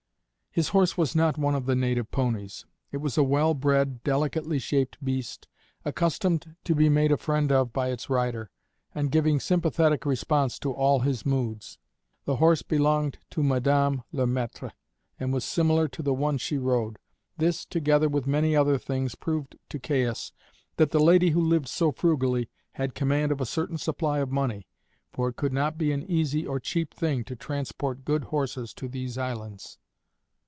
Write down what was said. His horse was not one of the native ponies; it was a well bred, delicately shaped beast, accustomed to be made a friend of by its rider, and giving sympathetic response to all his moods. The horse belonged to Madame Le Maître, and was similar to the one she rode. This, together with many other things, proved to Caius that the lady who lived so frugally had command of a certain supply of money, for it could not be an easy or cheap thing to transport good horses to these islands.